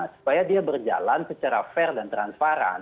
supaya dia berjalan secara fair dan transparan